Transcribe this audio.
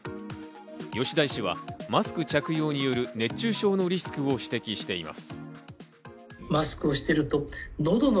吉田医師はマスク着用による熱中症のリスクを指摘しています。